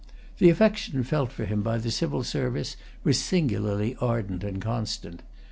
The affection felt for him by the civil service was singularly ardent and constant.